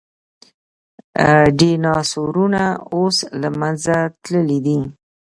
ډیناسورونه اوس له منځه تللي دي